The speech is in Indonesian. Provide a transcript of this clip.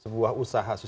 sebuah usaha sosial